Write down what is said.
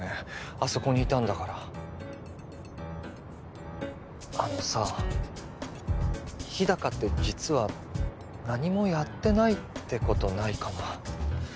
あそこにいたんだからあのさ日高って実は何もやってないってことないかな？